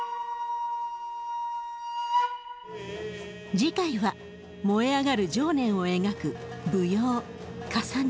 次回は燃え上がる情念を描く舞踊「かさね」。